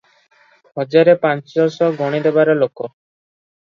ହଜାରେ ପାଞ୍ଚଶ ଗଣିଦେବାର ଲୋକ ।